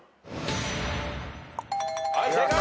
はい正解！